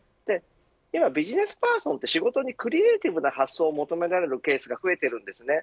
ビジネスパーソンは仕事にクリエイティブな発想を求められるケースが増えています。